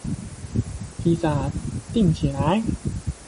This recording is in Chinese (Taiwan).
披薩訂起來